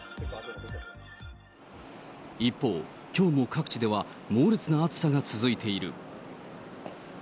一方、きょうも各地では、猛烈な暑さが続いている。